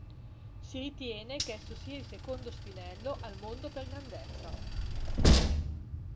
Si ritiene che esso sia il secondo spinello al mondo per grandezza.